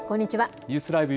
ニュースＬＩＶＥ！